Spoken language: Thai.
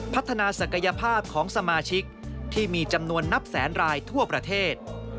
ศักยภาพของสมาชิกที่มีจำนวนนับแสนรายทั่วประเทศ